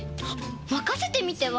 まかせてみては？